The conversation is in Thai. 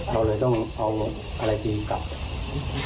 เราเลยต้องเอาอะไรตีนกลับ